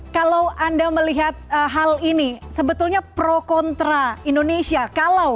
kalau anda melihat hal ini sebetulnya pro kontra indonesia